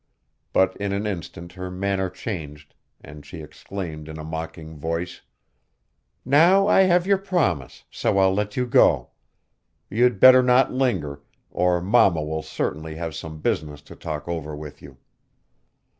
But in an instant her manner changed, and she exclaimed in a mocking voice: "Now I have your promise, so I'll let you go. You'd better not linger, or mama will certainly have some business to talk over with you."